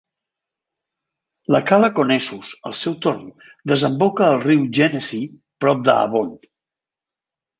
La cala Conesus, al seu torn, desemboca al riu Genesee prop d'Avon.